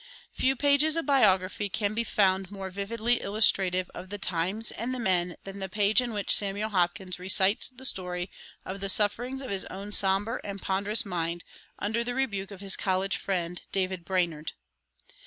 Few pages of biography can be found more vividly illustrative of the times and the men than the page in which Samuel Hopkins recites the story of the sufferings of his own somber and ponderous mind under the rebuke of his college friend David Brainerd.